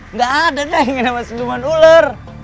nggak ada neng sama siluman ular